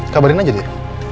kabarin aja dia